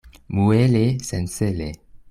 Muele sencele.